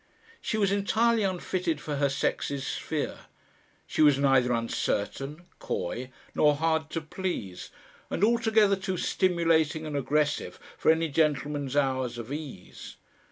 She was entirely unfitted for her sex's sphere. She was neither uncertain, coy nor hard to please, and altogether too stimulating and aggressive for any gentleman's hours of ease.